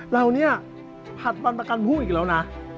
เราเนี่ยผลัดวันประกันผู้อีกแล้วนะ